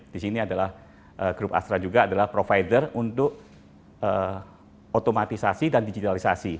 di sini adalah grup astra juga adalah provider untuk otomatisasi dan digitalisasi